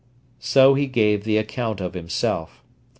So he gave the account of himself.